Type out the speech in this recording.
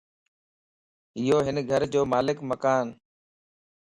يو ھن گھر جو مالڪ مڪان